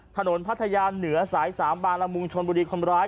พัทยาเหนือสาย๓บางละมุงชนบุรีคนร้าย